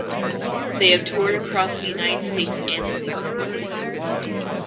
They have toured across the United States and in Europe.